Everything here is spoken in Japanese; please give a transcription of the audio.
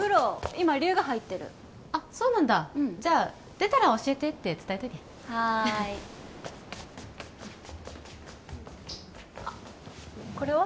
今龍が入ってるあっそうなんだじゃあ「出たら教えて」って伝えといてはいあっこれは？